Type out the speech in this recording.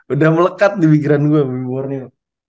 udah melekat di pikiran gue bumi borneo